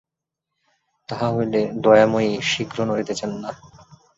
তাহা হইলে দয়াময়ী শীঘ্র নড়িতেছেন না।